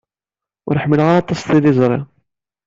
Ur ḥemmleɣ aṭas tiliẓri.